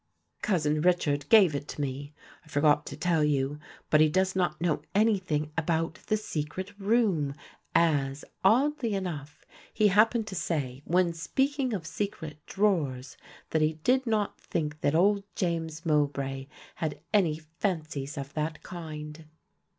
"Cousin Richard gave it me; I forgot to tell you, but he does not know anything about the secret room as, oddly enough, he happened to say, when speaking of secret drawers, that he did not think that old James Mowbray had any fancies of that kind."